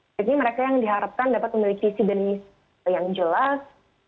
jadi mereka yang diharapkan dapat memiliki sidenis yang jelas